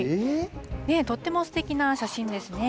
とってもすてきな写真ですね。